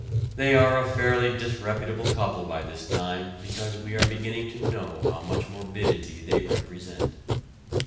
They are a fairly disreputable couple by this time because we are beginning to know how much morbidity they represent.